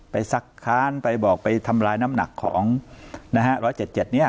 ซักค้านไปบอกไปทำลายน้ำหนักของนะฮะ๑๗๗เนี่ย